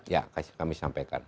ya kami sampaikan